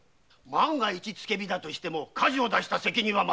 万が一つけ火だとしても火事を出した責任は免れぬ！